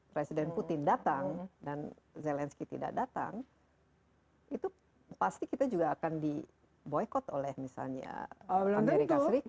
presiden putin datang dan zelensky tidak datang itu pasti kita juga akan di boykot oleh misalnya amerika serikat